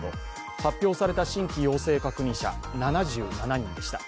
発表された新規陽性確認者７７人でした。